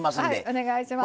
お願いします。